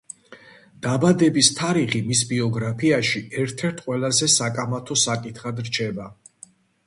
დაბადების თარიღი მის ბიოგრაფიაში ერთ-ერთ ყველაზე საკამათო საკითხად რჩება.